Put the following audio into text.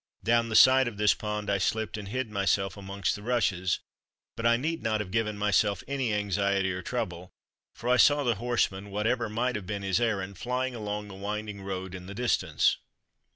Down the side of this pond I slipped and hid myself amongst the rushes; but I need not have given myself any anxiety or trouble, for I saw the horseman, whatever might have been his errand, flying along the winding road in the distance.